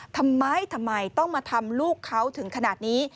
ทำไมทำไมต้องมาทำลูกเขาถึงขนาดนี้